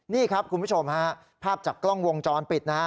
นี่ครับคุณผู้ชมฮะภาพจากกล้องวงจรปิดนะฮะ